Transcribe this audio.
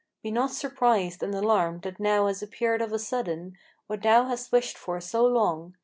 Be not surprised and alarmed that now has appeared of a sudden, What thou hast wished for so long.